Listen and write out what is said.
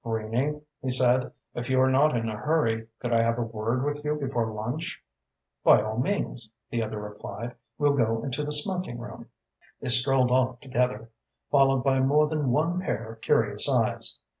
"Greening," he said, "if you are not in a hurry, could I have a word with you before lunch?" "By all means," the other replied. "We'll go into the smoking room." They strolled off together, followed by more than one pair of curious eyes.